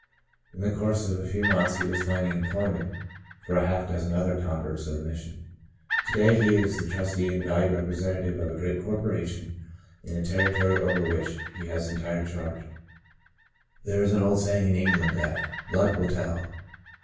In the course of a few months he was finding employment for half a dozen other converts of the Mission. To day he is the trustee and valued representative of a great corporation in a territory over which he has entire charge. There is an old say ing in England that " blood will tell."